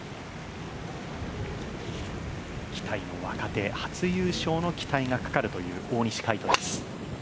期待の若手、初優勝の期待がかかるという大西魁斗です。